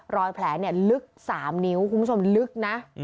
รอยแผลลึก๓นิ้วคุณผู้ชมลึกนะ